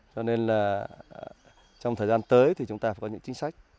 cho nên trong thời gian tới chúng ta phải có những chính sách